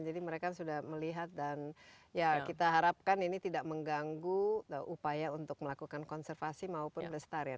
jadi mereka sudah melihat dan ya kita harapkan ini tidak mengganggu upaya untuk melakukan konservasi maupun restarian